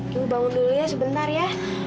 yuk bangun dulu ya sebentar ya